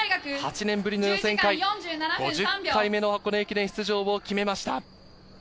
８年ぶりの予選会、５０回目の箱根駅伝出場を決めました。